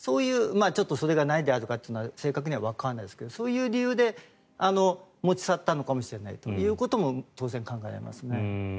それが何であるかというのは正確にはわからないですがそういう理由で持ち去ったのかもしれないということも当然考えられますね。